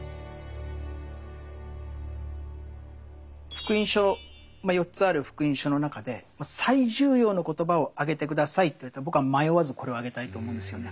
「福音書」４つある「福音書」の中で最重要の言葉を挙げて下さいと言われたら僕は迷わずこれを挙げたいと思うんですよね。